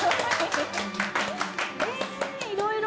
いろいろ。